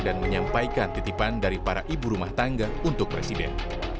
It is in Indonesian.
dan menyampaikan titipan dari para ibu rumah tangga untuk presiden